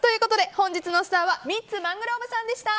本日のスターはミッツ・マングローブさんでした。